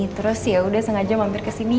terus yaudah sengaja mampir kesini